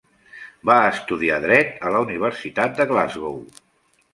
Va estudiar dret a la Universitat de Glasgow.